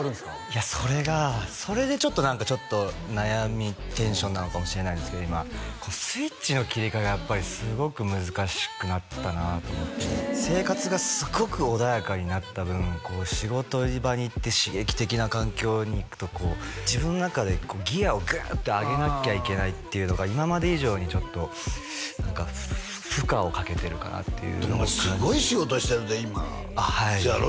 いやそれがそれでちょっと何かちょっと悩みテンションなのかもしれないんですけど今スイッチの切り替えがやっぱりすごく難しくなったなと思って生活がすごく穏やかになった分仕事場に行って刺激的な環境に行くと自分の中でギアをグッと上げなきゃいけないっていうのが今まで以上にちょっと負荷をかけてるかなっていうでもすごい仕事してるで今はいせやろ？